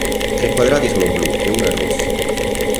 Tre quadrati sono blu e uno è rosso.